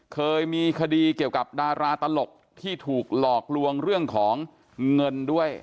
เคยมีคดีเกี่ยวกับดาราตลกที่ถูกหลอกลวงเรื่องของเงินด้วย